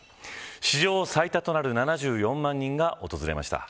史上最多となる７４万人が訪れました。